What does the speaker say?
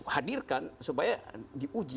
hadirkan supaya diuji